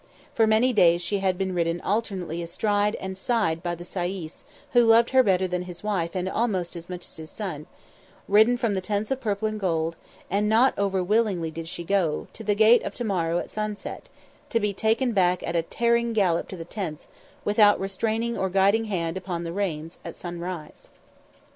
For many days she had been ridden alternately astride and side by the sayis, who loved her better than his wife and almost as much as his son; ridden from the Tents of Purple and Gold and not over willingly did she go to the Gate of To morrow at sunset, to be taken back at a tearing gallop to the Tents, without restraining or guiding hand upon the reins, at sunrise.